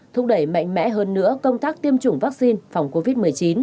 thúc đẩy mạnh mẽ hơn nữa công tác tiêm chủng vaccine phòng covid một mươi chín